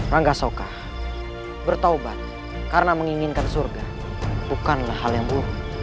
rangga sokah bertaubat karena menginginkan surga bukanlah hal yang buruk